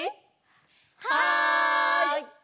はい！